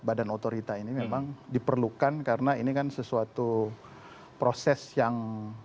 badan otorita ini memang diperlukan karena ini kan sesuatu proses yang